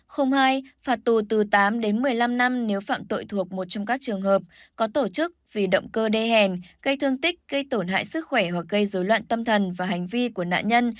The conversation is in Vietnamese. hai phạt tù từ tám đến một mươi năm năm nếu phạm tội thuộc một trong các trường hợp có tổ chức vì động cơ đê hèn gây thương tích gây tổn hại sức khỏe hoặc gây dối loạn tâm thần và hành vi của nạn nhân